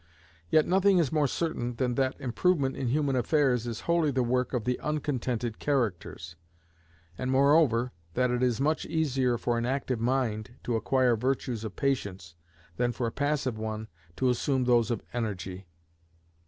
Yet nothing is more certain than that improvement in human affairs is wholly the work of the uncontented characters; and, moreover, that it is much easier for an active mind to acquire the virtues of patience, than for a passive one to assume those of energy.